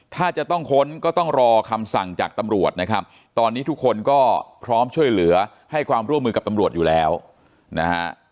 ถ้าจะต้องค้นก็ต้องรอคำสั่งจากตำรวจนะครับตอนนี้ทุกคนก็พร้อมช่วยเหลือให้ความร่วมมือกับตำรวจอยู่แล้วนะฮะ